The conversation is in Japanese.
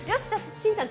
しんちゃん